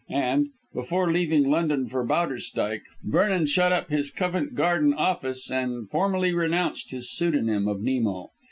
And, before leaving London for Bowderstyke, Vernon shut up his Covent Garden office and formally renounced his pseudonym of Nemo.